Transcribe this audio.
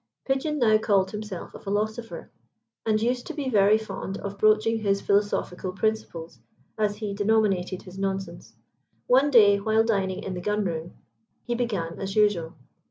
Pigeon now called himself a philosopher, and used to be very fond of broaching his philosophical principles, as he denominated his nonsense. One day, when dining in the gun room, he began as usual.